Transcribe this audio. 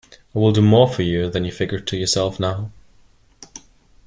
I will do more for you than you figure to yourself now.